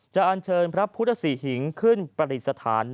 จะอันเชิญพระพุทธสี่หิงขึ้นประติศาสตร์